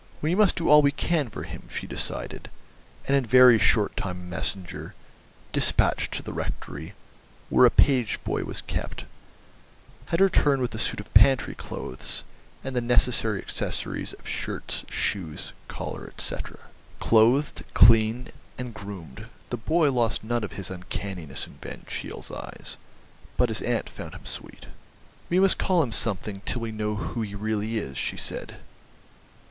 "We must do all we can for him," she decided, and in a very short time a messenger, dispatched to the rectory, where a page boy was kept, had returned with a suit of pantry clothes, and the necessary accessories of shirt, shoes, collar, etc. Clothed, clean, and groomed, the boy lost none of his uncanniness in Van Cheele's eyes, but his aunt found him sweet. "We must call him something till we know who he really is," she said.